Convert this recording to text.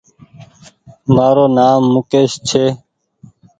مآرو نآم مڪيش ڇي